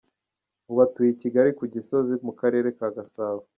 Ubu atuye i Kigali ku Gisozi mu Karere ka Gasabo.